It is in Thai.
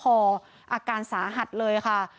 อาการสาหัสเลยค่ะ